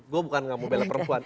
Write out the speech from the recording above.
gue bukan gak mau bela perempuan